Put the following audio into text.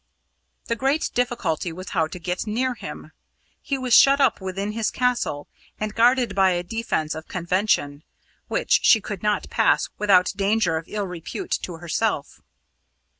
The great difficulty was how to get near him. He was shut up within his Castle, and guarded by a defence of convention which she could not pass without danger of ill repute to herself.